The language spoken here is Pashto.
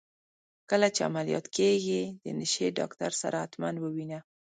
کله چي عمليات کيږې د نشې ډاکتر سره حتما ووينه.